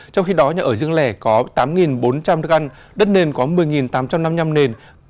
trong khi đó nhà ở dương lẻ có tám bốn trăm linh căn đất nền có một mươi tám trăm năm mươi năm nền